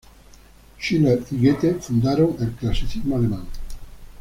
Schiller y Goethe fundaron el Clasicismo alemán.